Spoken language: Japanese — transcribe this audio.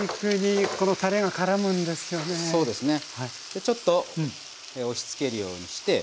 でちょっと押しつけるようにして。